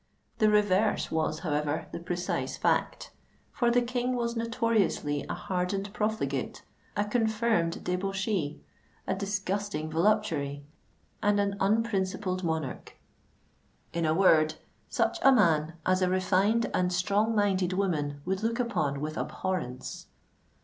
The reverse, was, however, the precise fact;—for the King was notoriously a hardened profligate—a confirmed debauchee—a disgusting voluptuary—and an unprincipled monarch,—in a word, such a man as a refined and strong minded woman would look upon with abhorrence.